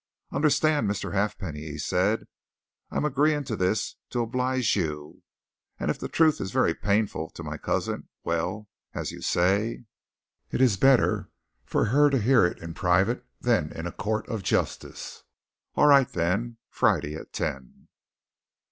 "Understand, Mr. Halfpenny," he said, "I'm agreeing to this to oblige you. And if the truth is very painful to my cousin, well, as you say, it's better for her to hear it in private than in a court of justice. All right, then Friday at ten."